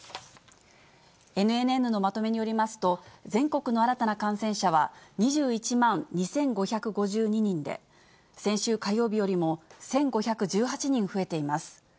ＮＮＮのまとめによりますと、全国の新たな感染者は２１万２５５２人で、先週火曜日よりも１５１８人増えています。